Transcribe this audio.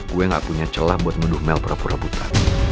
gue gak punya celah buat menuduh mel pura pura putar